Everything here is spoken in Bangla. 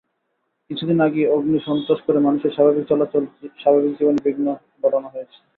কিছুদিন আগেই অগ্নি-সন্ত্রাস করে মানুষের স্বাভাবিক চলাচল, স্বাভাবিক জীবনে বিঘ্ন ঘটানো হয়েছিল।